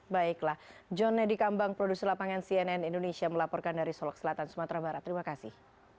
baiklah john nedi kambang produser lapangan cnn indonesia melaporkan dari solok selatan sumatera barat terima kasih